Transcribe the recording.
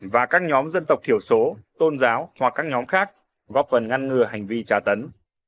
và các nhóm dân tộc thiểu số tôn giáo hoặc các nhóm khác góp phần ngăn ngừa hành vi trả tấn